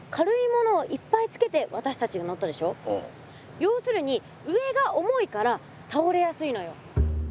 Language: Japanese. ようするに上が重いからたおれやすいのよ。